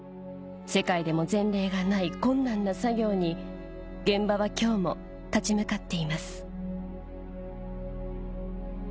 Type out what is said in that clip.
世界でも前例がない困難な作業に現場は今日も立ち向かっています